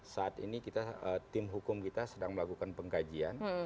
saat ini tim hukum kita sedang melakukan pengkajian